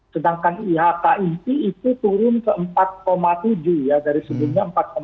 sedangkan ihk itu turun ke empat tujuh dari sebelumnya empat delapan